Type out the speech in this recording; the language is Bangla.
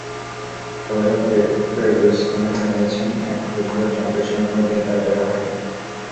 তবে বেরলুসকোনি জানিয়েছেন, এখন পর্যন্ত ট্রাম্পের সঙ্গে কোনো দিন তাঁর দেখা হয়নি।